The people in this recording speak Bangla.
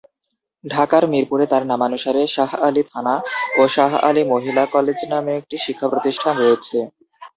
ঢাকার মিরপুরে তার নামানুসারে শাহ আলী থানা ও শাহ আলী মহিলা কলেজ নামে একটি শিক্ষা প্রতিষ্ঠান রয়েছে।